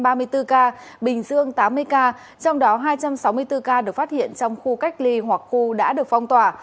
bình dương tám mươi ca trong đó hai trăm sáu mươi bốn ca được phát hiện trong khu cách ly hoặc khu đã được phong tỏa